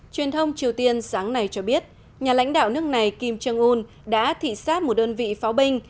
truyền thông triều tiên sáng nay cho biết nhà lãnh đạo nước này kim jong un đã thị xát một đơn vị pháo binh